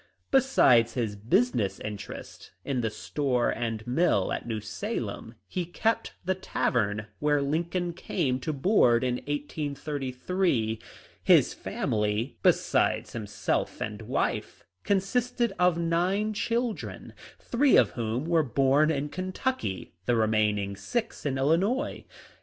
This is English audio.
Besides his business interests in the store and mill at New Salem, he kept the tavern where Lincoln came to board in 1833. His family, besides himself and wife, consisted of nine children, three of whom were born in Kentucky, the remaining six in Illinois.